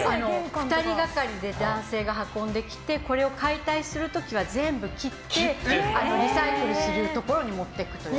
２人がかりで男性が運んできてこれを解体する時は、全部切ってリサイクルするところに持っていくという。